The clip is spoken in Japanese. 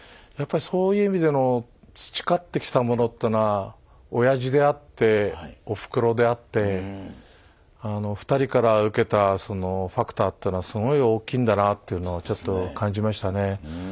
やっぱりそういう意味での培ってきたものってのはおやじであっておふくろであってあの２人から受けたそのファクターってのはすごい大きいんだなあっていうのをちょっと感じましたね。